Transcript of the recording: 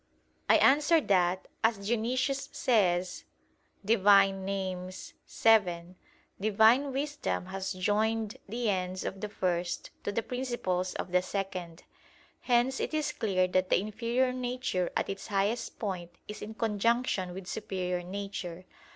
I answer that, As Dionysius says (Div. Nom. vii): "Divine wisdom has joined the ends of the first to the principles of the second." Hence it is clear that the inferior nature at its highest point is in conjunction with superior nature.